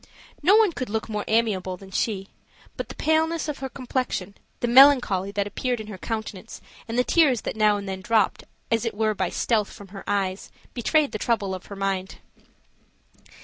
No one could look more amiable than she; but the paleness of her complexion, the melancholy that appeared in her countenance, and the tears that now and then dropped, as it were by stealth from her eyes, betrayed the trouble of her mind.